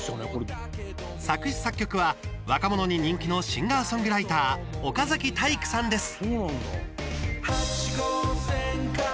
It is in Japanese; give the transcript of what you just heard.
作詞・作曲は、若者に人気のシンガーソングライター岡崎体育さんです。